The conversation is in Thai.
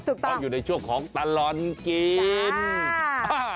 ถูกต้องตอนอยู่ในช่วงของตลอดกินจ้า